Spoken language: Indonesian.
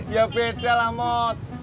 ya beda lah mot